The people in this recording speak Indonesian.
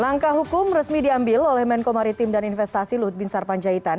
langkah hukum resmi diambil oleh menko maritim dan investasi lut bin sarpanjaitan